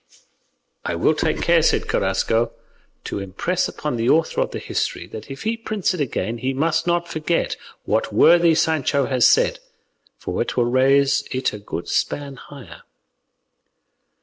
"I will take care," said Carrasco, "to impress upon the author of the history that, if he prints it again, he must not forget what worthy Sancho has said, for it will raise it a good span higher."